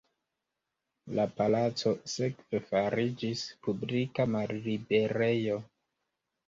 La palaco sekve fariĝis publika malliberejo.